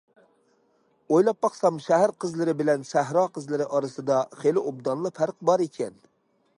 ئويلاپ باقسام شەھەر قىزلىرى بىلەن سەھرا قىزلىرى ئارىسىدا خېلى ئوبدانلا پەرق بار ئىكەن.